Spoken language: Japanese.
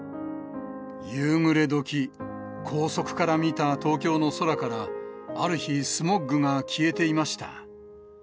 夕暮れどき、高速から見た東京の空から、ある日、スモッグが消えていました。